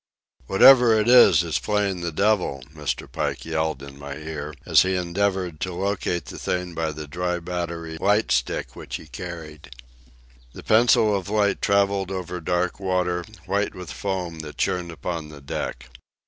"Whatever it is, it's playing the devil," Mr. Pike yelled in my ear, as he endeavoured to locate the thing by the dry battery light stick which he carried. The pencil of light travelled over dark water, white with foam, that churned upon the deck.